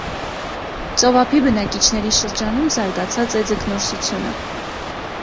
Ծովափի բնակիչների շրջանում զարգացած է ձկնորսությունը։